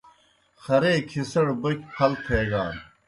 خرے کِھسَڑ بوْکیْ پھل تھیگان۔